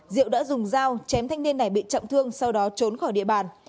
diệu đã dùng dao chém thanh niên này bị trọng thương sau đó trốn khỏi địa bàn